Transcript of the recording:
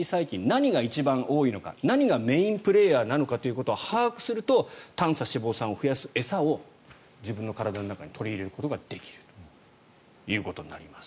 何が一番多いのか何がメインプレーヤーなのかということを把握すると短鎖脂肪酸を増やす餌を自分の体の中に取り入れることができるということになります。